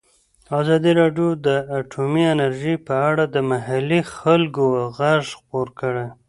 ازادي راډیو د اټومي انرژي په اړه د محلي خلکو غږ خپور کړی.